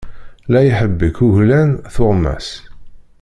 La iḥebbek uglan, tuɣmas.